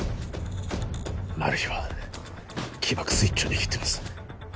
マル被は起爆スイッチを握ってます